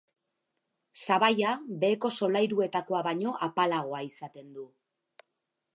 Sabaia beheko solairuetakoa baino apalagoa izaten du.